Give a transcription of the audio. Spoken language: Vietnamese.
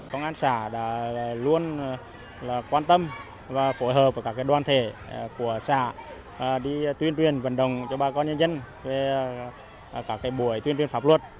công an xã đã luôn quan tâm và phối hợp với các đoàn thể của xã đi tuyên truyền vận động cho bà con nhân dân về các buổi tuyên truyền pháp luật